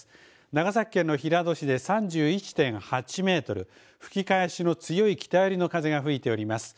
長崎県の平戸市で３１．８メートル、吹き返しの強い北寄りの風が吹いております。